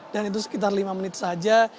dan itu sekitar lima menit saja